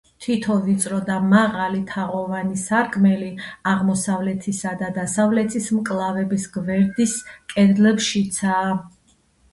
თითო ვიწრო და მაღალი თაღოვანი სარკმელი აღმოსავლეთისა და დასავლეთის მკლავების გვერდის კედლებშიცაა.